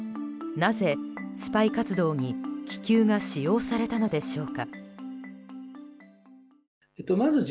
なぜスパイ活動に気球が使用されたのでしょうか。